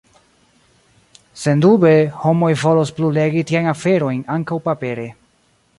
Sendube, homoj volos plu legi tiajn aferojn ankaŭ papere.